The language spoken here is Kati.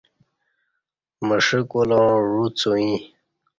مݜہ کولاں عو څوئیں